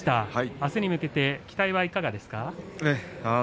あすに向けて期待はいかがですか。